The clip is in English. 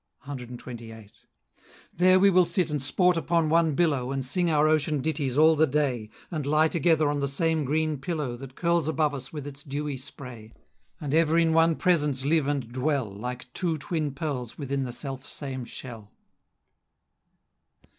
CXXVIII. "There we will sit and sport upon one billow, And sing our ocean ditties all the day, And lie together on the same green pillow, That curls above us with its dewy spray; And ever in one presence live and dwell, Like two twin pearls within the selfsame shell!"